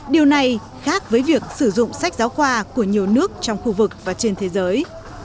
điều này khác với việc sử dụng sách giáo khoa của nhiều nước trong khu vực và trên thế giới